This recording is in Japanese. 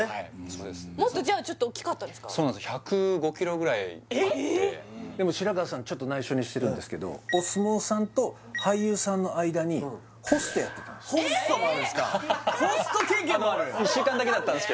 そうなんですよ１０５ｋｇぐらいあってでも白川さんちょっと内緒にしてるんですけどお相撲さんと俳優さんの間にホストやってたんです